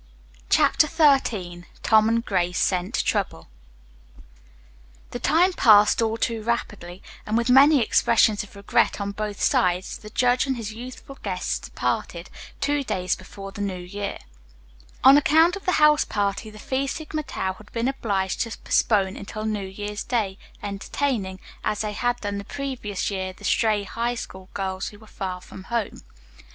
CHAPTER XIII TOM AND GRACE SCENT TROUBLE The time passed all too rapidly, and with many expressions of regret on both sides the judge and his youthful guests parted, two days before the New Year. On account of the house party the Phi Sigma Tau had been obliged to postpone until New Year's Day entertaining as they had done the previous year the stray High School girls who were far from home.